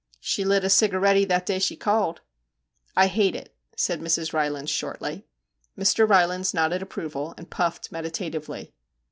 ' She lit a cigaretty that day she called/ ' I hate it,' said Mrs. Rylands shortly. Mr. Rylands nodded approval, and puffed meditatively.